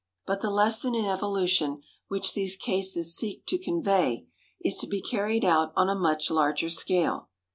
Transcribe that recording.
But the lesson in evolution which these cases seek to convey is to be carried out on a much larger scale.